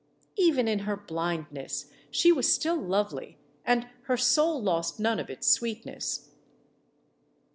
Even in her blindness she was still lovely, and her soul lost none of its sweetness.